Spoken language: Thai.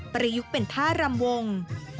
ประยุกต์เป็นท่ารำวง